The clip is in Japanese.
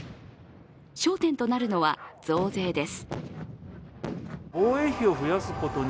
焦点となるのは、増税です。